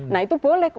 nah itu boleh